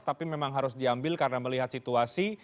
tapi memang harus diambil karena melihat situasi